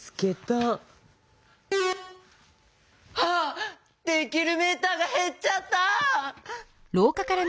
できるメーターがへっちゃった！